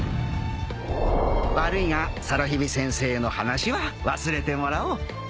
悪いがさらへび先生の話は忘れてもらおう。